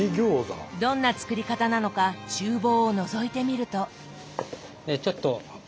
どんな作り方なのか厨房をのぞいてみると。